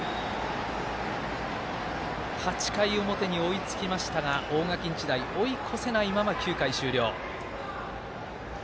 ８回の表に追いつきましたが大垣日大追い越せないまま９回終了。